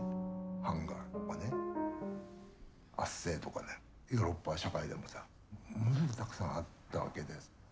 ハンガーとかね圧政とかねヨーロッパの社会でもさものすごくたくさんあったわけで。